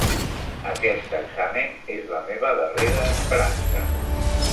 Aquest examen és la meva darrera esperança.